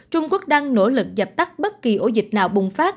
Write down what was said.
trung quốc đang nỗ lực dập tắt bất kỳ ổ dịch nào bùng phát